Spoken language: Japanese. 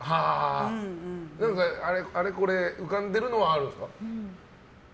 あれこれ浮かんでるのはあるんですか。